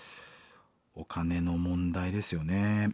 お金の問題ですよね。